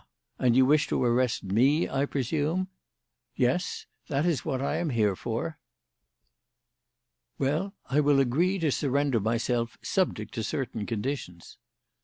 And you wish to arrest me, I presume?" "Yes. That is what I am here for." "Well, I will agree to surrender myself subject to certain conditions."